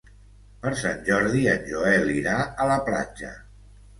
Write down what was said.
Per Sant Jordi en Joel irà a la platja.